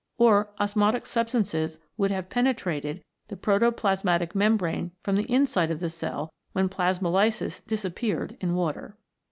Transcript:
Or osmotic substances would have penetrated the protoplasmatic mem brane from the inside of the cell when plasmolysis disappeared in water.